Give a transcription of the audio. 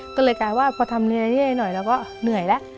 ก็เลยกลายว่าพอทำเรื่อยหน่อยเราก็เหนื่อยแล้ว